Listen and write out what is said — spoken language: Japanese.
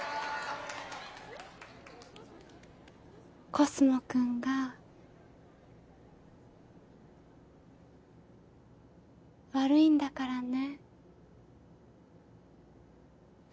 コスモくんが悪いんだからね？